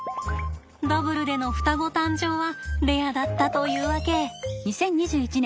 ダブルでの双子誕生はレアだったというわけ。